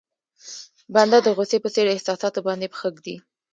بنده د غوسې په څېر احساساتو باندې پښه کېږدي.